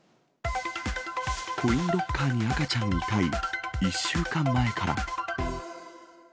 コインロッカーに赤ちゃん遺体、１週間前から？